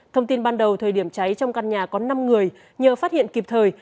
thông tin ban đầu thời điểm cháy trong căn nhà có năm người nhờ phát hiện kịp thời